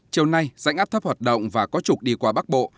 chiều nay dãnh áp thấp hoạt động và có trục đi qua bắc bộ